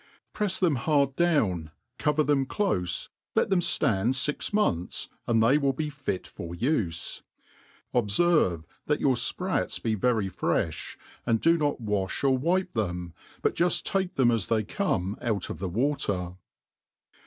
Prefs them hard down, cover them ctofe, let them ftand fix months^ and they will be fit for ufe. Obfefve that your fprats be very frefli, and do not wafli or wipe them, but juft take tbem ai as they come out of the water.